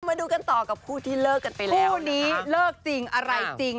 มาดูกันต่อกับคู่ที่เลิกกันไปแล้วคู่นี้เลิกจริงอะไรจริง